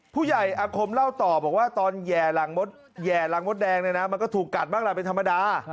ผู้ใหญ่อาคมเล่าต่อบอกว่าตอนแห่ลังมดแดงมันก็ถูกกัดมากละเป็นธรรมดา